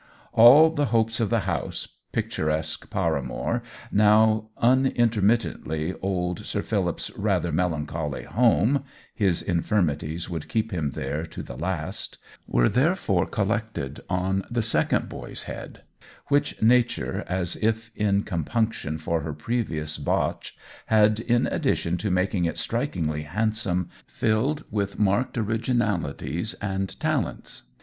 All the hopes of the house, pictu resque Paramore, now unintermittently old Sir Philip's rather melancholy home (his in firmities would keep him there to the last). l6o OWEN WINGRAVE were therefore collected on the second boy's head, which nature, as if in compunc tion for her previous botch, had, in addi tion to making it strikingly handsome, filled with marked originalities and talents.